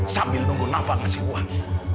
sambil nunggu nafa ngasih uang